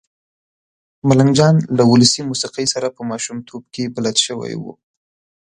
ملنګ جان له ولسي موسېقۍ سره په ماشومتوب کې بلد شوی و.